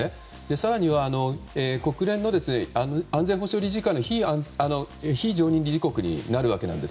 更には国連の安全保障理事会の非常任理事国になるわけなんです。